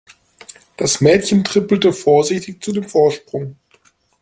Das Mädchen trippelte vorsichtig zu dem Vorsprung.